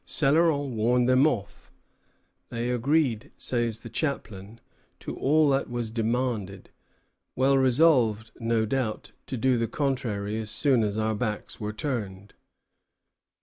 Céloron warned them off. "They agreed," says the chaplain, "to all that was demanded, well resolved, no doubt, to do the contrary as soon as our backs were turned."